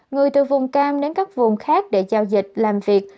người từ vùng cam đến các vùng khác để giao dịch làm việc